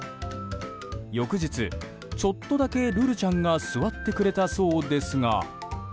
翌日、ちょっとだけるるちゃんが座ってくれたそうですが。